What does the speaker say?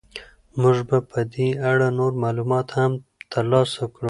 موږ به په دې اړه نور معلومات هم ترلاسه کړو.